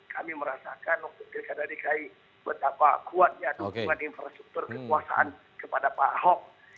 kami merasakan waktu pilkada dki betapa kuatnya dukungan infrastruktur kekuasaan kepada pak ahok